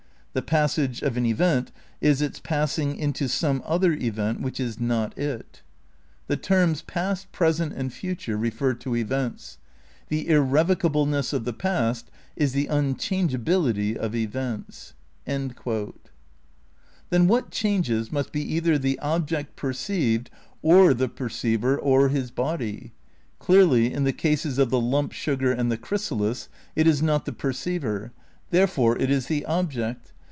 The passage of an event is its passing into some other event wMeh is not it. Ill THE CRITICAL PREPARATIONS 97 The terms past, present and future refer to events. The irrevoc ableness of the past is the unchangeability of events." ' Then what changes must be either the object per ceived or the perceiver or his body. Clearly, in the cases of the lump sugar and the chrysalis, it is not the perceiver. Therefore it is the object.